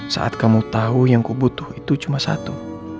saat kamu tahu yang kubutuh itu cuma satu